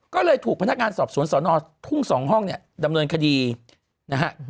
ก็เลยถูกพนักงานสอบสวนสอนอทุ่ง๒ห้องเนี่ยดำเนินคดีนะฮะ